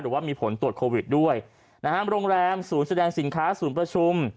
หรือว่ามีผลตรวจโควิดด้วยนะฮะโรงแรมศูนย์แสดงสินค้าศูนย์ประชุม